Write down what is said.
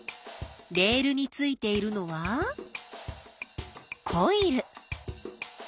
レールについているのはコイル。